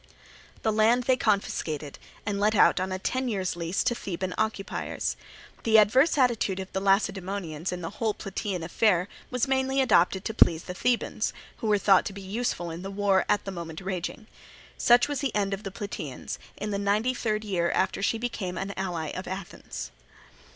The land they confiscated and let out on a ten years' lease to Theban occupiers. The adverse attitude of the Lacedaemonians in the whole Plataean affair was mainly adopted to please the Thebans, who were thought to be useful in the war at that moment raging. Such was the end of Plataea, in the ninety third year after she became the ally of Athens.